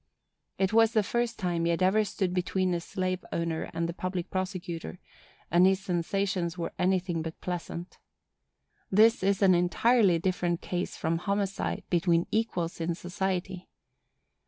It was the first time he had ever stood between a slave owner and the public prosecutor, and his sensations were anything but pleasant. _This is an entirely different case from homicide between equals in society.